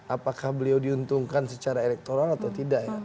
apakah beliau diuntungkan secara elektoral atau tidak ya